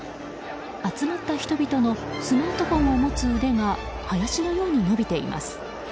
集まった人々のスマートフォンを持つ腕が林のように伸びています。